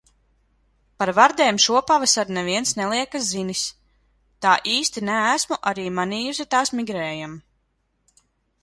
Par vardēm šopavasar neviens neliekas zinis. Tā īsti neesmu arī manījusi tās migrējam.